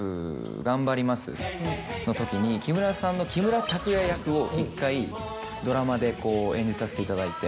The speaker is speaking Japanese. のときに木村さんの木村拓哉役を１回ドラマでこう演じさせていただいて。